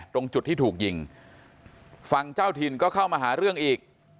ตรงจุดที่ถูกยิงฝั่งเจ้าถิ่นก็เข้ามาหาเรื่องอีก